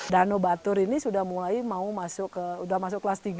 danau batur ini sudah mulai mau masuk sudah masuk kelas tiga